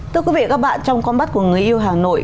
thưa quý vị và các bạn trong con mắt của người yêu hà nội